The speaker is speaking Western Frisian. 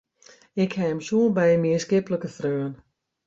Ik ha him sjoen by in mienskiplike freon.